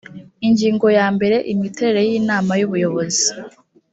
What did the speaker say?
ingingo ya mbere imiterere y inama y ubuyobozi